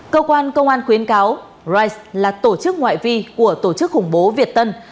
cơ quan công an khuyến cáo rise là tổ chức ngoại vi của tổ chức khủng bố việt tân